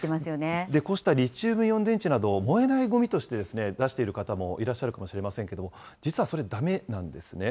こうしたリチウムイオン電池などを燃えないごみとして、出している方もいらっしゃるかもしれませんけれども、実はそれ、だめなんですね。